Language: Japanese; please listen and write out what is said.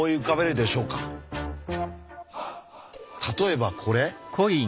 例えばこれ？